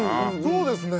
そうですね。